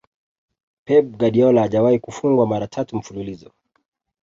Pep guardiola hajawahi kufungwa mara tatu mfululizo